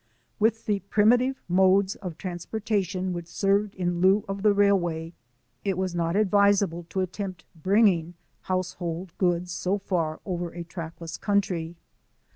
With the primitive modes of transportation which served in lieu of the railway it was not advisable to attempt bringing household goods so far over a trackless country.